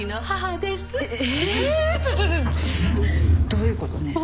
どういうこと？ねぇ。